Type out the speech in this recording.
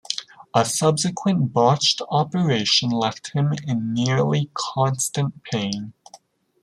A subsequent botched operation left him in nearly constant pain.